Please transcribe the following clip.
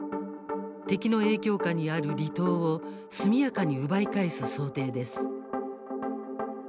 敵の影響下にある離島を速やかに奪い返す想定です。